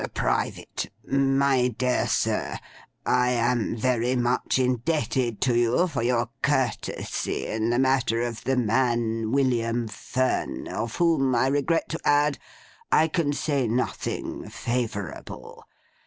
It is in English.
'Private. My dear Sir. I am very much indebted to you for your courtesy in the matter of the man William Fern, of whom, I regret to add, I can say nothing favourable.